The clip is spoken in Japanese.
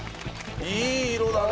いい色だね。